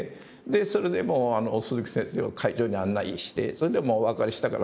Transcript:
それでもう鈴木先生を会場に案内してもうお別れしたから。